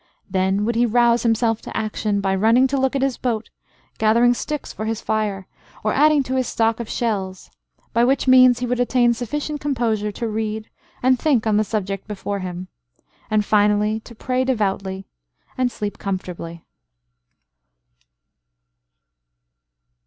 Then would he rouse himself to action, by running to look at his boat, gathering sticks for his fire, or adding to his stock of shells, by which means he would attain sufficient composure to read, and think on the subject before him, and finally, to pray devoutly, and sleep comfortably.